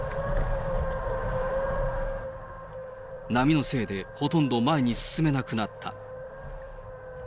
波のせいで、ほとんど前に進めなくなった。